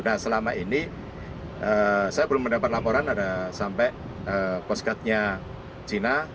nah selama ini saya belum mendapat laporan ada sampai poskatnya china